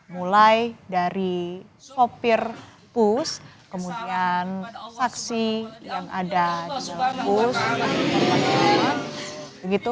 mulai dari sopir pus kemudian saksi yang ada di dalam bus